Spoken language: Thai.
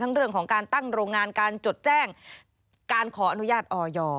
เรื่องของการตั้งโรงงานการจดแจ้งการขออนุญาตออย